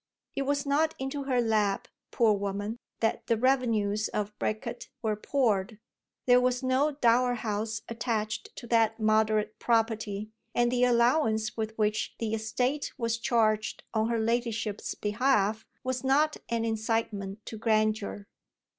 It was not into her lap, poor woman, that the revenues of Bricket were poured. There was no dower house attached to that moderate property, and the allowance with which the estate was charged on her ladyship's behalf was not an incitement to grandeur.